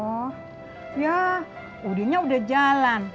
oh ya udinnya udah jalan